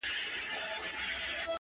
• چي د مغولو له بیرغ څخه کفن جوړوي,